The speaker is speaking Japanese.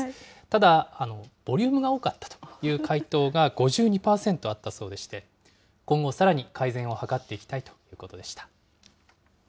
ただ、ボリュームが多かったという回答が５２％あったそうでして、今後、さらに改善を図っていきたいということでした。